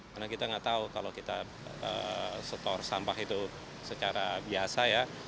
karena kita nggak tahu kalau kita setor sampah itu secara biasa ya